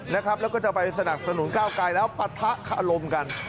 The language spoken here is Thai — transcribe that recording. แล้วก็จะไปสนับสนุนก้าวไกลแล้วปะทะคารมกัน